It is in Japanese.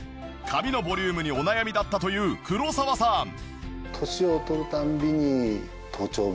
髪のボリュームにお悩みだったという黒澤さん